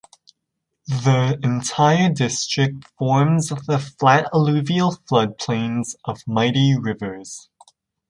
The entire district forms the flat alluvial flood plains of mighty rivers.